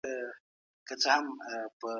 ایا نوي کروندګر چارمغز اخلي؟